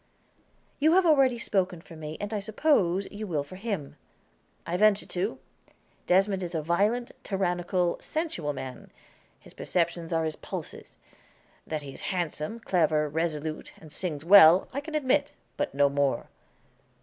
"You have already spoken for me, and, I suppose, you will for him." "I venture to. Desmond is a violent, tyrannical, sensual man; his perceptions are his pulses. That he is handsome, clever, resolute, and sings well, I can admit; but no more."